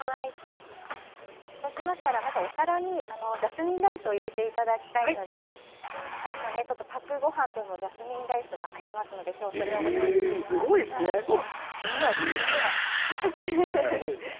そうしましたらまずお皿にジャスミンライスを入れていただきたいので今パックごはんでもジャスミンライスがありますのですごいですね、ほんまや縦長や。